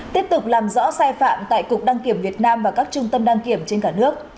tiếp tục làm rõ sai phạm tại cục đăng kiểm việt nam và các trung tâm đăng kiểm trên cả nước